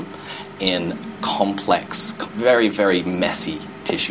di sampel tisu yang sangat rumit